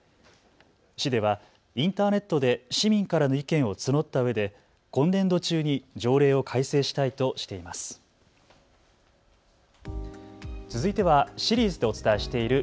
市ではインターネットで市民からの意見を募ったうえで今年度中に条例を改正したいとしています。